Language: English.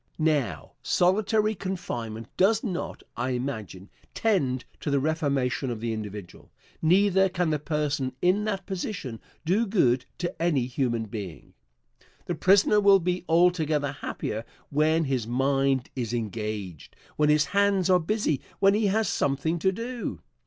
Now, solitary confinement does not, I imagine, tend to the reformation of the individual. Neither can the person in that position do good to any human being. The prisoner will be altogether happier when his mind is engaged, when his hands are busy, when he has something to do.